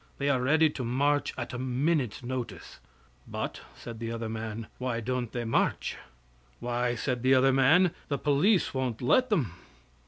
They are ready to march at a minute's notice." "But," said the other man, "why don't they march?" "Why," said the other man, "the police won't let them."